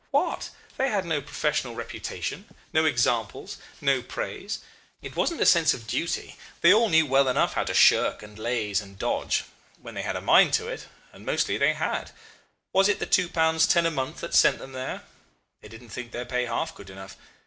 What? They had no professional reputation no examples, no praise. It wasn't a sense of duty; they all knew well enough how to shirk, and laze, and dodge when they had a mind to it and mostly they had. Was it the two pounds ten a month that sent them there? They didn't think their pay half good enough.